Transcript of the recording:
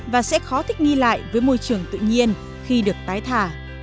và sẽ khó thích nghi lại với môi trường tự nhiên khi được tái thả